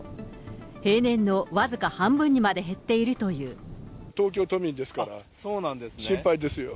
平年の僅か半分にまで減っている東京都民ですから、心配ですよ。